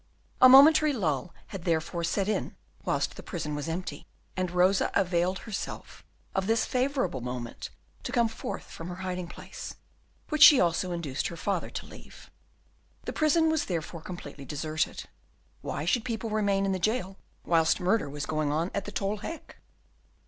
A momentary lull had therefore set in whilst the prison was empty, and Rosa availed herself of this favourable moment to come forth from her hiding place, which she also induced her father to leave. The prison was therefore completely deserted. Why should people remain in the jail whilst murder was going on at the Tol Hek?